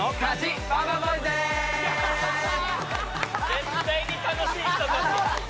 絶対に楽しい人達